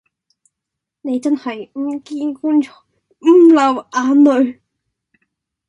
你真係唔見棺材唔流眼淚